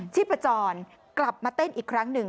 ชีพจรกลับมาเต้นอีกครั้งหนึ่ง